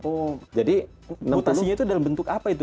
oh permutasinya itu dalam bentuk apa itu